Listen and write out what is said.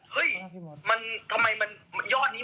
เฮ้ยมันทำไมย่อดเนี่ย